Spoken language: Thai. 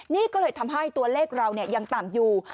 นี่ก็เลยทำให้ตัวเลขเรายังต่ำอยู่